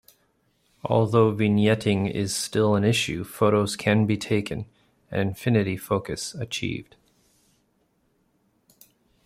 Although vignetting is still an issue, photos can be taken, and infinity focus achieved.